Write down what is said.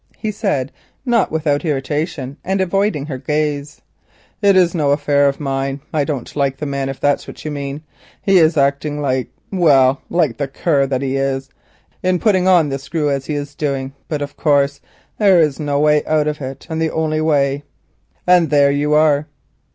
he said, not without irritation, and avoiding her gaze. "It is no affair of mine. I don't like the man, if that's what you mean. He is acting like—well, like the cur that he is, in putting on the screw as he is doing; but, of course, that is the way out of it, and the only way, and there you are."